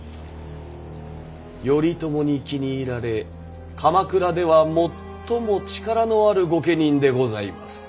頼朝に気に入られ鎌倉では最も力のある御家人でございます。